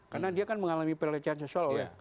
karena dia kan mengalami pelecehan sosial